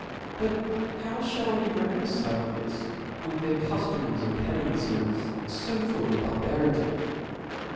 But how (ball we reconcile this with their cudoms, and penances fo full of barba rity